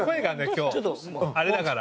今日あれだから。